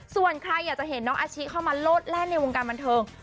ส่วนใครอยากจะเห็นน้องอาชิเข้ามาโลดแล่นในวงการบันเทิง